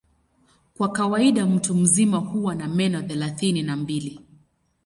Kwa kawaida mtu mzima huwa na meno thelathini na mbili.